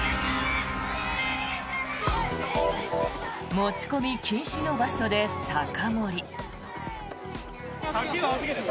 持ち込み禁止の場所で酒盛り。